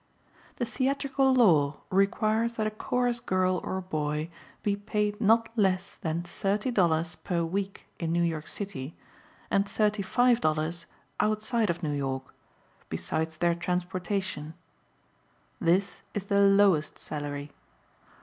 The theatrical law requires that a chorus girl or boy be paid not less than $30.00 per week in New York City and $35.00 outside of New York, besides their transportation. This is the lowest salary.